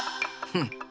うん？